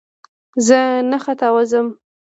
زه نه ختاوزم !